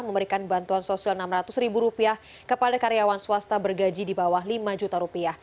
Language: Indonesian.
memberikan bantuan sosial rp enam ratus kepala karyawan swasta bergaji di bawah rp lima